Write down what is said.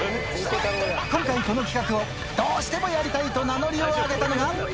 今回、この企画をどうしてもやりたいと名乗りを上げたのが。